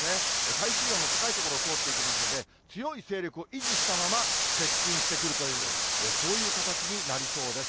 海水温の高い所を通っていきますので、強い勢力を維持したまま接近してくるという、そういう形になりそうです。